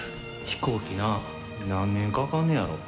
飛行機な何年かかんねんやろ。